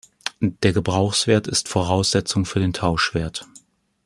Der Gebrauchswert ist Voraussetzung für den Tauschwert.